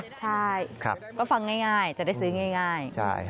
กลงทางใกล้ค่ะก็ฟังง่ายจะได้ซื้อง่าย